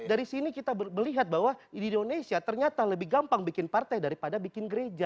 dari sini kita melihat bahwa di indonesia ternyata lebih gampang bikin partai daripada bikin gereja